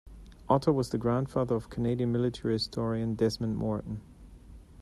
Otter was the grandfather of Canadian Military historian Desmond Morton.